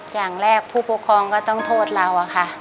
อย่างแรกผู้ปกครองก็ต้องโทษเราอะค่ะ